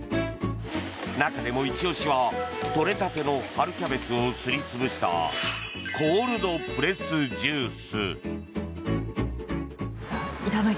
中でも一押しは採れたての春キャベツをすり潰したコールドプレスジュース。